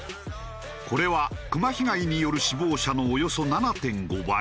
これはクマ被害による死亡者のおよそ７．５倍。